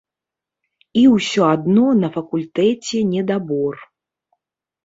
І ўсё адно на факультэце недабор.